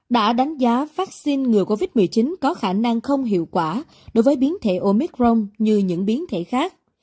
đã đánh giá vaccine ngừa covid một mươi chín có khả năng không hiệu quả đối với biến thể omicron như những biến thể khác